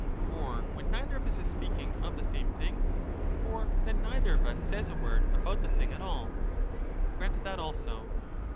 Or when neither of us is speaking of the same thing? For then neither of us says a word about the thing at all? He granted that also.